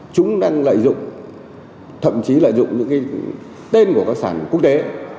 chúng đang lợi dụng thậm chí lợi dụng những cái tên của các sản quốc tế